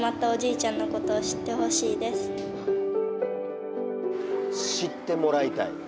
知ってもらいたい。